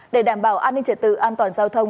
để đảm bảo an ninh trật tự an toàn giao thông